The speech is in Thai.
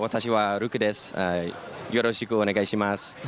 แปลว่า